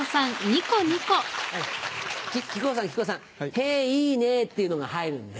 「へぇいいね」っていうのが入るんで。